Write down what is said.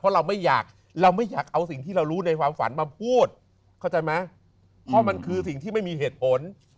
เพราะเราไม่อยากเอาสิ่งที่เรารู้ในความฝันมาพูดเพราะมันคือสิ่งที่ไม่มีเหตุผล